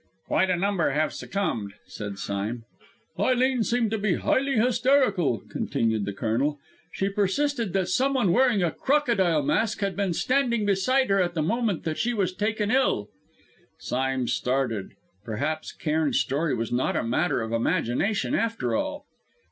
"Quite a number have succumbed," said Sime. "Eileen seemed to be slightly hysterical," continued the Colonel. "She persisted that someone wearing a crocodile mask had been standing beside her at the moment that she was taken ill." Sime started; perhaps Cairn's story was not a matter of imagination after all.